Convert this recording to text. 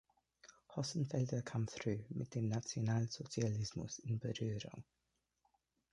Hossenfelder kam früh mit dem Nationalsozialismus in Berührung.